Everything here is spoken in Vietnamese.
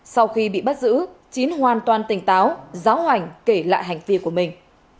sau khi bị bắt giữ chín hoàn toàn tỉnh táo giáo hoành kể lại hành vi của mình